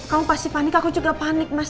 kamu pasti panik aku juga panik mas